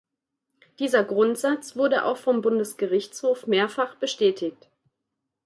Dieser Grundsatz wurde auch vom Bundesgerichtshof mehrfach bestätigt.